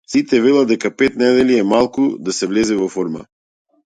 Сите велат дека пет недели е малку да се влезе во форма.